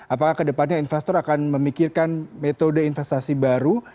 apakah kedepannya investor akan memikirkan metode investasi baru